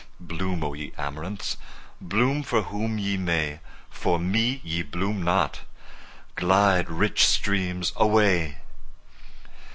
Bloom, O ye amaranths! bloom for whom ye may, For me ye bloom not! Glide, rich streams, away!